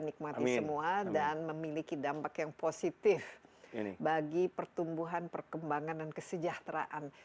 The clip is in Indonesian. nikmati semua dan memiliki dampak yang positif bagi pertumbuhan perkembangan dan kesejahteraan